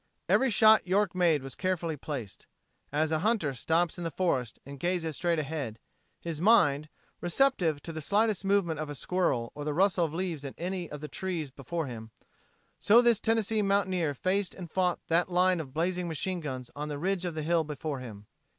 Every shot York made was carefully placed. As a hunter stops in the forest and gazes straight ahead, his mind, receptive to the slightest movement of a squirrel or the rustle of leaves in any of the trees before him, so this Tennessee mountaineer faced and fought that line of blazing machine guns on the ridge of the hill before him.